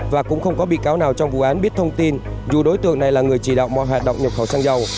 và cũng không có bị cáo nào trong vụ án biết thông tin dù đối tượng này là người chỉ đạo mọi hoạt động nhập khẩu xăng dầu